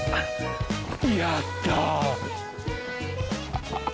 やったぁ！